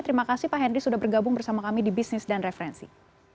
terima kasih pak henry sudah bergabung bersama kami di bisnis dan referensi